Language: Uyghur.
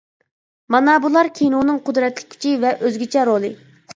مانا بۇلار كىنونىڭ قۇدرەتلىك كۈچى ۋە ئۆزگىچە رولى.